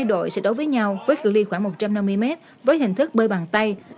hai đội sẽ đấu với nhau với cự li khoảng một trăm năm mươi mét với hình thức bơi bằng tay